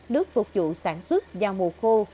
nước phục vụ sản xuất vào mùa khô